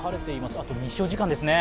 あと日照時間ですね。